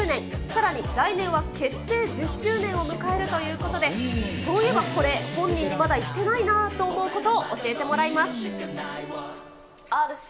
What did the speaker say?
さらに来年は結成１０周年を迎えるということで、そういえばこれ、本人にまだ言ってないなと思うことを教えてもらいます。